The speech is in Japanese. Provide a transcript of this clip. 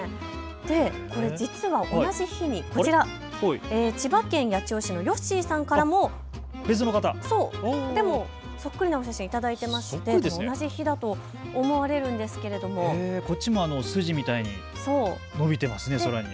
これ実は同じ日にこちら、千葉県八千代市のよっしーさんからもそっくりなお写真、頂いてまして同じ日だと思われるんですけれど、こっちも筋みたいに伸びてますね空に。